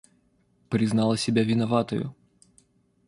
Признала себя виноватою.